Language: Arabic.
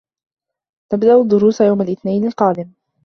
نبدأ الدروس يوم الإثنين القادم.